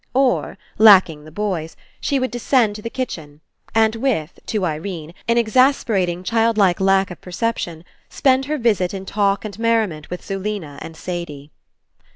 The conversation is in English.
Or, lacking the boys, she would descend to the kitchen and, with — to Irene — an exasperating 144 RE ENCOUNTER childlike lack of perception, spend her visit in talk and merriment with Zulena and Sadie.